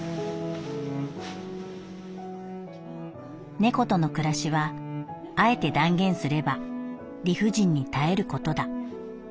「猫との暮らしは敢えて断言すれば理不尽に耐えることだ。